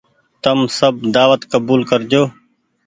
تم سب دآوت ڪبول ڪرجو۔